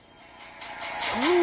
そんな。